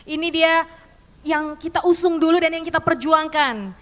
ini dia yang kita usung dulu dan yang kita perjuangkan